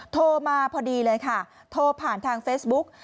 โทรมาพอดีเลยค่ะโทรผ่านทางเฟซบุ๊ก